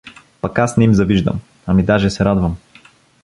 Пък аз не им завиждам, ами даже се радвам.